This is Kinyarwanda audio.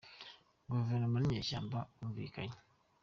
Guverinoma n’inyeshyamba bumvikanye